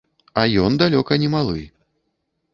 А ён далёка не малы.